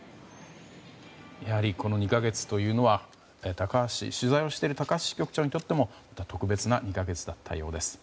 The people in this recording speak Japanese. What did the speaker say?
やはりこの２か月というのは取材をしている高橋支局長にとっても特別な２か月だったようです。